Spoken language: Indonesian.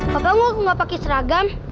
papa gua nggak pakai seragam